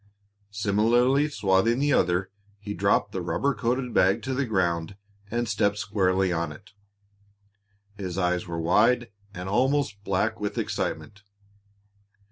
Similarly swathing the other, he dropped the rubber coated bag to the ground and stepped squarely on it. His eyes were wide and almost black with excitement.